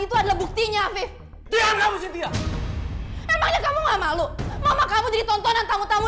itu ada buktinya vif diam kamu setia emangnya kamu gak malu mama kamu jadi tontonan tamu tamu